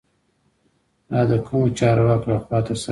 دا د کومو چارواکو له خوا ترسره کیږي؟